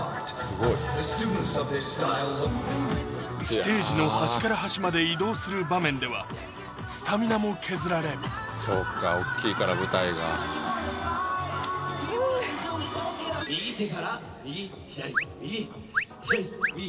ステージの端から端まで移動する場面ではスタミナも削られそっかおっきいから舞台が右手から右左右！